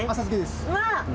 うわ！